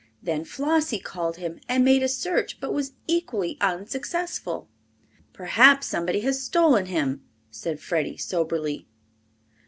Then Flossie called him and made a search, but was equally unsuccessful. "Perhaps somebody has stolen him," said Freddie soberly.